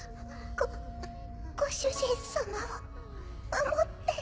ごご主人様を守って。